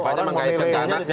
bapaknya mengaitkan ke anaknya